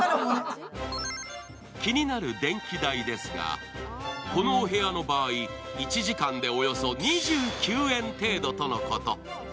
気になる電気代ですが、このお部屋の場合１時間でおよそ２９円とのこと。